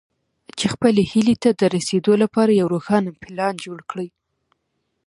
چې خپلې هيلې ته د رسېدو لپاره يو روښانه پلان جوړ کړئ.